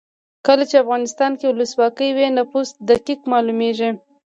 کله چې افغانستان کې ولسواکي وي نفوس دقیق مالومیږي.